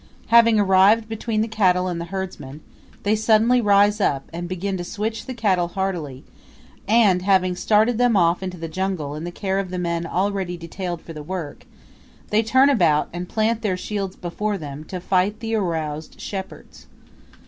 Having arrived between the cattle and the herdsmen, they suddenly rise up and begin to switch the cattle heartily, and, having started them off into the jungle in the care of men already detailed for the work, they turn about, and plant their shields before them, to fight the aroused shepherds.